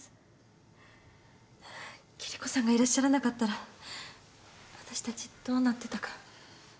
キリコさんがいらっしゃらなかったら私たちどうなってたか。